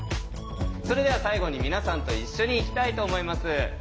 それでは最後に皆さんと一緒にいきたいと思います。